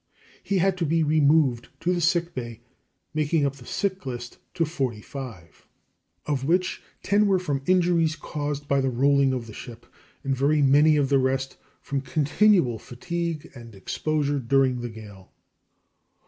He had to be removed to the sick bay, making up the sick list to forty five, of which ten were from injuries caused by the rolling of the ship, and very many of the rest from continual fatigue and exposure during the gale.